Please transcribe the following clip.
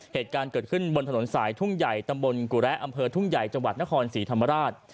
เหตุการณ์เกิดขึ้นบนถนนสายทุ่งใหญ่ตำบลกุระอำเภอทุ่งใหญ่จังหวัดนครศรีธรรมราช